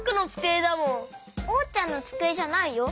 おうちゃんのつくえじゃないよ。